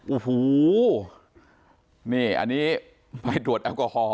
โอ้โหนี่อันนี้ไปตรวจแอลกอฮอล